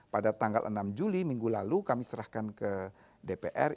pada tanggal enam juli minggu lalu kami serahkan ke dpr